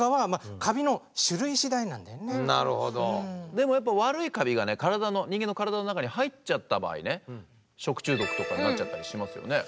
でもやっぱ悪いカビがね人間の体の中に入っちゃった場合ね食中毒とかになっちゃったりしますよね。